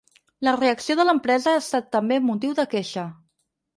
La reacció de l’empresa ha estat també motiu de queixa.